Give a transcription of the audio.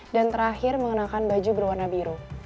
dan terakhir mengenakan baju berwarna biru